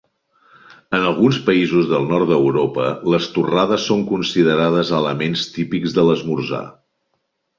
En alguns països del nord d'Europa les torrades són considerades elements típics de l'esmorzar.